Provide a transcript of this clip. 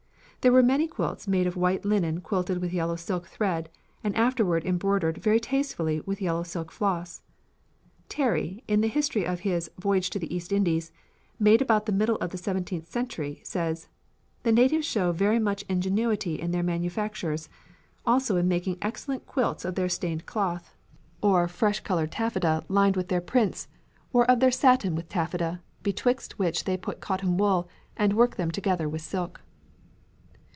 There were many quilts made of white linen quilted with yellow silk thread, and afterward embroidered very tastefully with yellow silk floss. Terry, in the history of his "Voyage to the East Indies," made about the middle of the seventeenth century, says: "The natives show very much ingenuity in their manufactures, also in making excellent quilts of their stained cloth, or of fresh coloured taffeta lined with their prints, or of their satin with taffeta, betwixt which they put cotton wool, and work them together with silk."